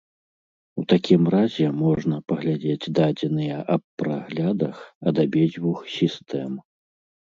У такім разе можна паглядзець дадзеныя аб праглядах ад абедзвюх сістэм.